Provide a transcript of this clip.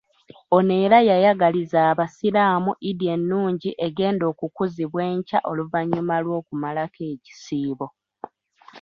Ono era yayagalizza abasiraamu Eid ennungi egenda okukuzibwa enkya oluvannyuma lw'okumalako ekisiibo.